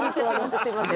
すみません。